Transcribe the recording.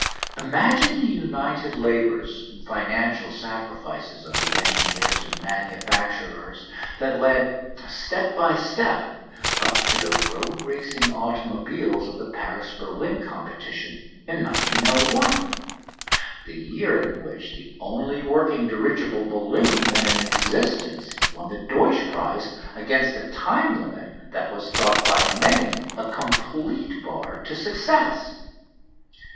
Imagine the united labours and financial sacrifices of the engineers and manufacturers that led, step by step, up to the road racing automobiles of the Paris Berlin competition in 1901 the year in which the only working dirigible balloon then in existence won the Deutsch prize against a time limit that was thought by many a complete bar to success.